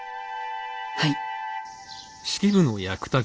はい。